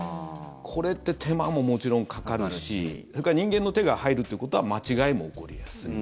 これって手間ももちろんかかるしそれから人間の手が入るということは間違いも起こりやすい。